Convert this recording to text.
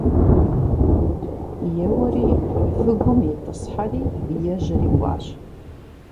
Еуэри выгум итӀысхьэри ежьэри кӀуащ.